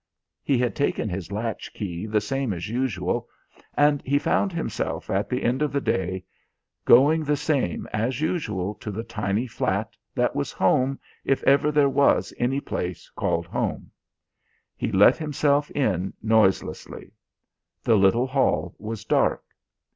He had taken his latch key the same as usual, and he found himself at the end of the day, going the same as usual to the tiny flat that was home if ever there was any place called home. He let himself in noiselessly. The little hall was dark.